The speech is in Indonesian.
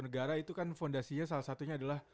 negara itu kan fondasinya salah satunya adalah